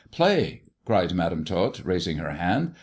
" Play !" cried Madam Tot, raising her hand.